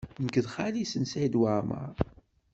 Nekk d xali-s n Saɛid Waɛmaṛ.